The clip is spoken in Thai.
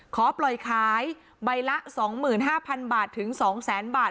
ขอปล่อยขายใบละสองหมื่นห้าพันบาทถึงสองแสนบาท